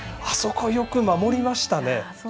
あそこ、よく守りましたね。